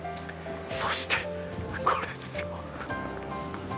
そして、これですよ。